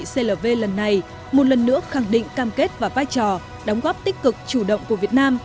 các nước đã đồng kết và vai trò đóng góp tích cực chủ động của việt nam